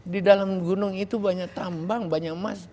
di dalam gunung itu banyak tambang banyak emas